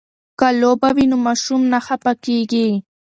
که لوبه وي نو ماشوم نه خفه کیږي.